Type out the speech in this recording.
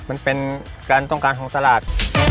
มันเป็นการต้องการของตลาด